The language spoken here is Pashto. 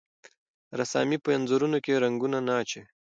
رسامي په انځورونو کې رنګونه نه اچوي.